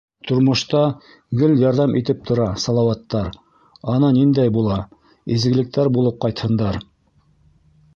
Тормошта гел ярҙам итеп тора Салауаттар, ана, ниндәй була: Изгелектәр булып ҡайтһындар.